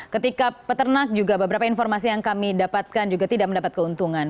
ketika peternak juga beberapa informasi yang kami dapatkan juga tidak mendapat keuntungan